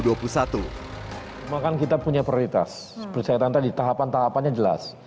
memangkan kita punya prioritas percayaan tadi tahapan tahapannya jelas